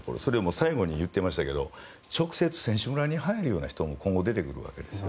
最後に行ってましたが直接選手村に入るような人も今後出てくるわけです。